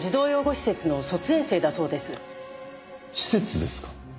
施設ですか？